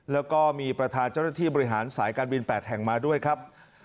แล้วก็มีประธานเจ้าหน้าที่บริหารสายการบิน๘แห่งมาด้วยครับ